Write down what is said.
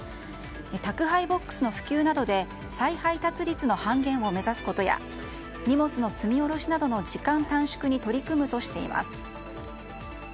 宅配ボックスの普及などで再配達率の半減を目指すことや荷物の積み下ろしなどの時間短縮に取り組むとしています。